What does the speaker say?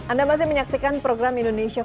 anda masih menyaksikan program indonesia